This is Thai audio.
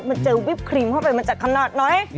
มันเจอวิปครีมเข้าไปมันจะขนาดน้อย